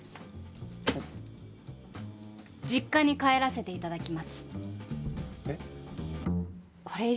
実家に帰らせて頂きます。